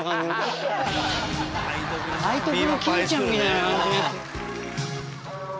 愛徳の均ちゃんみたいな感じのやつ。